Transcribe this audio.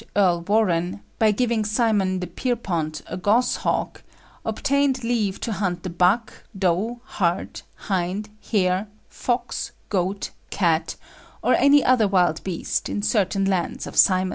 Earl Warren, by giving Simon de Pierpont a goshawk, obtained leave to hunt the buck, doe, hart, hind, hare, fox, goat, cat, or any other wild beast, in certain lands of Simon's.